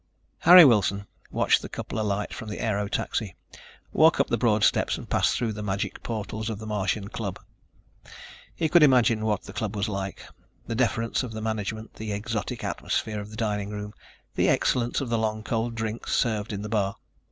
Harry Wilson watched the couple alight from the aero taxi, walk up the broad steps and pass through the magic portals of the Martian Club. He could imagine what the club was like, the deference of the management, the exotic atmosphere of the dining room, the excellence of the long, cold drinks served at the bar.